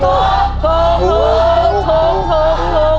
ถูก